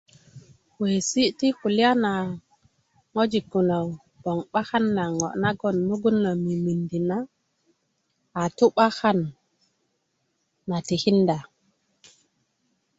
kuwesi ti kulya na ŋojik kulo bgoŋ 'bakan na ŋo nagon mugun na mimindi na a tu'bakan na tikinda